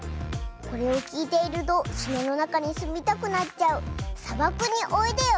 これをきいているとすなのなかにすみたくなっちゃう「さばくにおいでよ」！